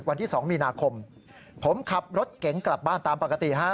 วันที่๒มีนาคมผมขับรถเก๋งกลับบ้านตามปกติฮะ